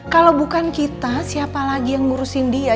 kalau bukan kita siapa lagi yang ngurusin dia